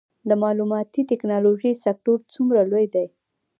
د معلوماتي ټیکنالوژۍ سکتور څومره لوی دی؟